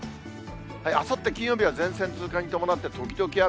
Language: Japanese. あさって金曜日は前線通過に伴って、時々雨。